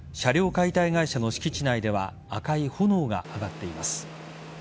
解体会社の敷地内では赤い炎が上がっています。